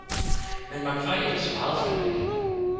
Men margrethe svarede slet ikke